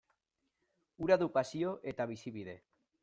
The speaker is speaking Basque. Hura du pasio eta bizibide.